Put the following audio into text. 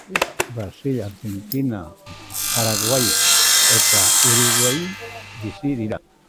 Brasil, Argentina, Paraguai eta Uruguain bizi dira.